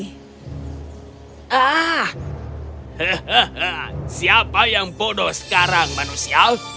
hehehe siapa yang bodoh sekarang manusial